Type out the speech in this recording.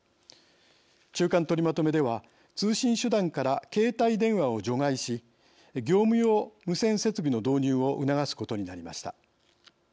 中間とりまとめでは通信手段から携帯電話を除外し業務用無線設備の導入を促すことになりました。